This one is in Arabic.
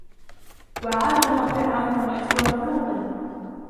وَعادٌ وَفِرعَونُ وَإِخوانُ لوطٍ